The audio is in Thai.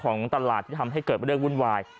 กลับมาพร้อมขอบความ